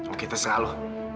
oke terserah lu